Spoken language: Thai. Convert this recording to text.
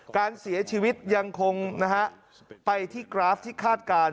การเสียชีวิตยังคงนะฮะไปที่กราฟที่คาดการณ์